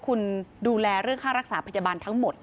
คุณดูแลเรื่องค่ารักษาพยาบาลทั้งหมด